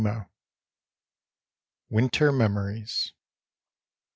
WINTER MEMORIES.